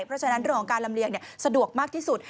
เพราะฉะนั้นเรื่องของการลำเลียงสะดวกมากที่สุด